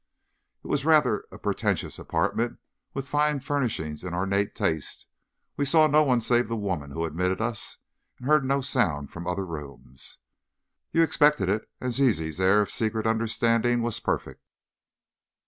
It was rather a pretentious apartment, with fine furnishings in ornate taste. We saw no one save the woman who admitted us, and heard no sound from other rooms. "You expected it?" and Zizi's air of secret understanding was perfect.